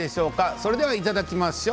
それではいただきましょう。